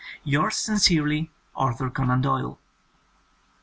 Yours sincerely, Aethur Conan Doyle.